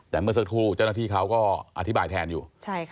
แต่เมื่อสักครู่เจ้าหน้าที่เขาก็อธิบายแทนอยู่